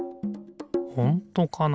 ほんとかな？